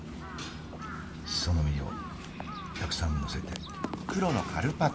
しその実をたくさんのせて。